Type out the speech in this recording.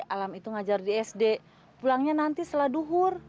alam itu ngajar di sd pulangnya nanti seladuhur